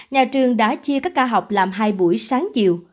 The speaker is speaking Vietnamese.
nhà trường đã chia các ca học làm hai buổi sáng chiều